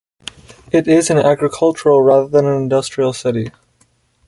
It is an agricultural rather than an industrial city.